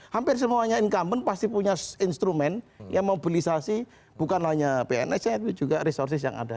hampir semuanya incumbent pasti punya instrumen yang mobilisasi bukan hanya pns ya tapi juga resources yang ada